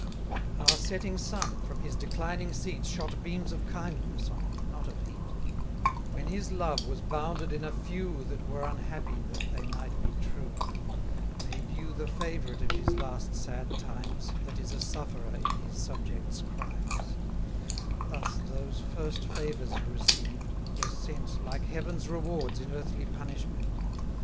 Our setting sun, from his declining seat, Shot beams of kindness on you, not of heat: And, when his love was bounded in a few That were unhappy that they might be true, 90 Made you the favourite of his last sad times, That is a sufferer in his subjects' crimes: Thus those first favours you received, were sent, Like heaven's rewards in earthly punishment.